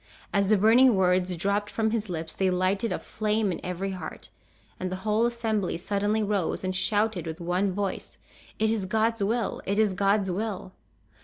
As the burning words dropped from his lips they lighted a flame in every heart, and the whole assembly suddenly rose, and shouted with one voice, "It is God's will! It is God's will!"